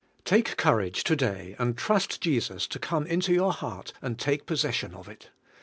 Take courage to day and trust Jesus to come into your heart and take possession of it.